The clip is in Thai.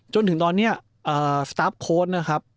จนถึงตอนนี้สตาร์ฟโค้ดนะครับ